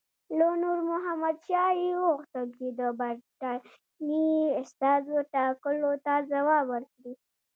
له نور محمد شاه یې وغوښتل چې د برټانیې استازو ټاکلو ته ځواب ورکړي.